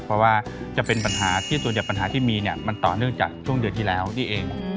เพราะว่าจะเป็นปัญหาที่ส่วนใหญ่ปัญหาที่มีเนี่ยมันต่อเนื่องจากช่วงเดือนที่แล้วนี่เอง